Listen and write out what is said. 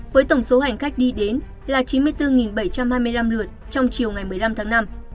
với tổng số hành khách đi đến là chín mươi bốn bảy trăm hai mươi năm lượt trong chiều ngày một mươi năm tháng năm